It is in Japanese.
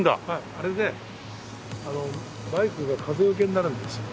あれでバイクが風よけになるんですよ。